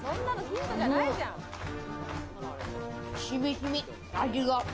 しみしみ、味が。